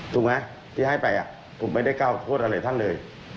ถูกไหมที่ให้ไปอก็ไม่ได้กล้าโทษทั้งเลย